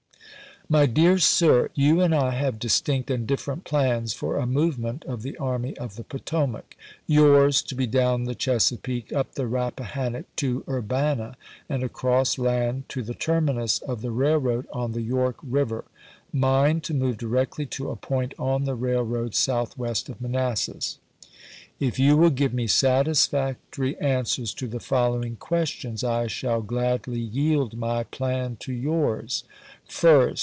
My dear Sir : You and I have distinct and different plans for a movement of the Army of the Potomac — yours to be down the Chesapeake, up the Rappahan nock to Urbana, and across land to the terminus of the railroad on the York River ; mine to move directly to a point on the raOroads southwest of Manassas. If you will give me satisfactory answers to the follow ing questions, I shaU. gladly yield my plan to yours : First.